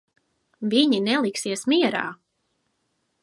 Viņi neliksies mierā.